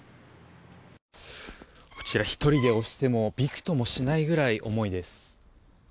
こちら１人で押してもびくともしないくらい重いです。